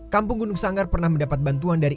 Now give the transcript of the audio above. kampung gunung sanggar pernah mendapat bantuan dari